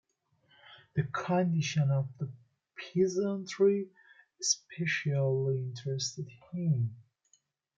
The condition of the peasantry especially interested him.